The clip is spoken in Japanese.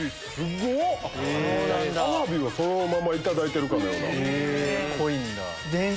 アワビをそのままいただいてるかのような。